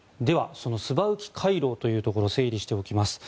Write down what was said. そのスバウキ回廊というところ整理しておきます。